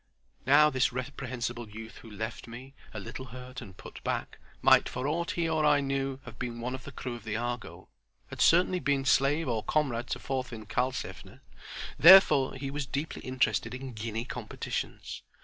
Now this reprehensible youth who left me, a little hurt and put back, might for aught he or I knew have been one of the crew of the Argo—had been certainly slave or comrade to Thorfin Karlsefne. Therefore he was deeply interested in guinea competitions.